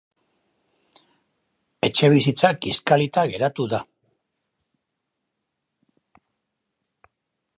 Etxebizitza kiskalita geratu da.